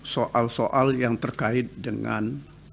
soal soal yang terkait dengan